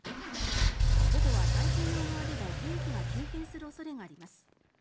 午後は太平洋側でも天気が急変する恐れがあります。